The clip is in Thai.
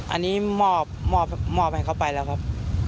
อันนี้มอบให้เขาไปแล้วครับ